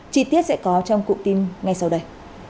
chi tiết sẽ có trong cụm tin ngay sau đây